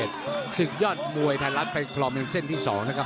ลูกยอดมวยไทรัดเป็นขอมลึงเส้นที่๒น๊ะครับ